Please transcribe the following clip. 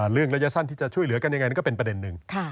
เรื่องระยะสั้นที่จะช่วยเหลือกันยังไงนั่นก็เป็นประเด็นหนึ่ง